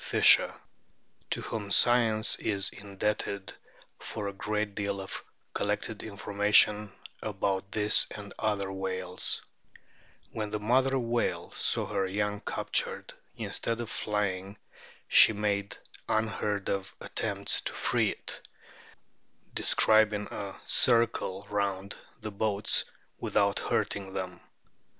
Fischer* (to whom science is indebted for a oreat deal of N O collected information about this and other whales) :" When the mother whale saw her young captured, instead of flying she made unheard of attempts to free it, describing a circle round the boats without hurting them.